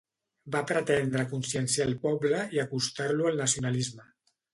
Va pretendre conscienciar el poble i acostar-lo al nacionalisme.